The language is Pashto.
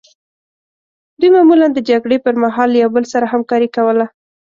دوی معمولا د جګړې پرمهال له یو بل سره همکاري کوله.